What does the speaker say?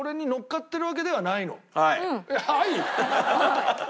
「はい」？